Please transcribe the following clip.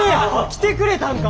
来てくれたんか。